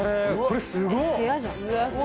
これすごっ！